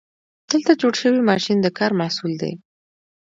دلته جوړ شوی ماشین د کار محصول دی.